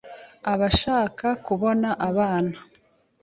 abashaka kubona abana, ...